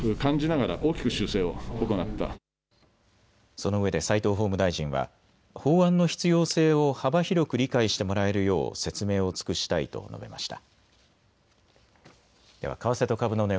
そのうえで齋藤法務大臣は法案の必要性を幅広く理解してもらえるよう説明を尽くしたいと述べました。